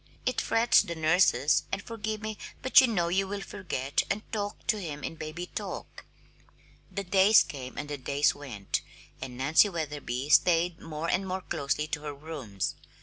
It frets the nurses and forgive me but you know you will forget and talk to him in 'baby talk'!" The days came and the days went, and Nancy Wetherby stayed more and more closely to her rooms.